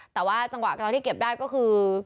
แต่ว่าจังหวะตอนที่เก็บได้ก็คือ